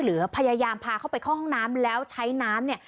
หรือพยายามพาเข้าไปเข้าห้องน้ำ